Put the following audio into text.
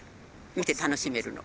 見て楽しめるの。